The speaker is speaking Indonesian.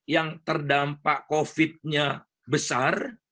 yang terdampak covid nya besar